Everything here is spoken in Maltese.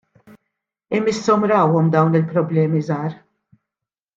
Imisshom rawhom dawn il-problemi żgħar.